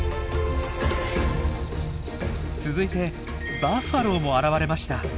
続いてバッファローも現れました。